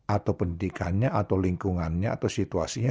atau pendidikannya atau lingkungannya atau situasinya